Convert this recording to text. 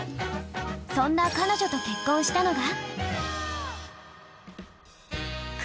そんな彼女と結婚したのが？